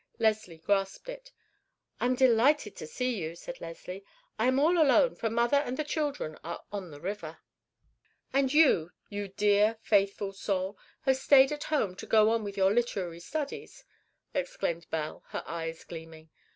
Leslie grasped it. "I am delighted to see you," said Leslie. "I am all alone, for mother and all the children are on the river." "And you, you dear, faithful soul, have stayed at home to go on with your literary studies?" exclaimed Belle, her eyes gleaming.